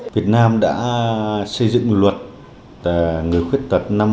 việt nam đã xây dựng lượt người khuyết tật năm hai nghìn một mươi